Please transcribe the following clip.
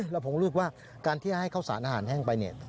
แล้วผมรู้สึกว่าการที่ให้ข้าวสารอาหารแห้งไปเนี่ย